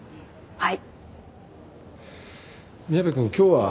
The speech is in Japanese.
はい。